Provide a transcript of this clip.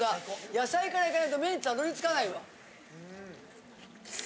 野菜からいかないと麺にたどり着かないわ。